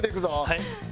はい。